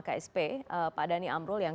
ksp pak dhani amrul yang